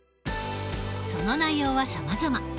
その内容はさまざま。